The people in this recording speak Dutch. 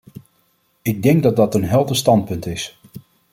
Ik denk dat dat een helder standpunt is.